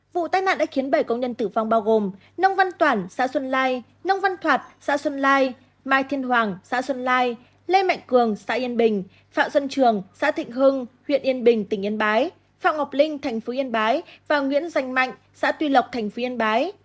vụ tai nạn đã khiến bảy công nhân tử vong bao gồm nông văn toản xã xuân lai nông văn thoạt xã xuân lai mai thiên hoàng xã xuân lai lê mạnh cường xã yên bình phạm xuân trường xã thịnh hưng huyện yên bình tỉnh yên bái phạm ngọc linh thành phố yên bái và nguyễn danh mạnh xã tuy lộc thành phố yên bái